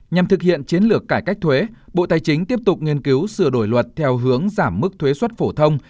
nhằm thực hiện chiến lược cải cách thuế bộ tài chính tiếp tục nghiên cứu sửa đổi luật theo hướng giảm mức thuế xuất phổ thông